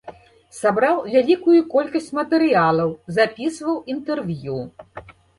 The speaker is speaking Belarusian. Сабраў вялікую колькасць матэрыялаў, запісваў інтэрв'ю.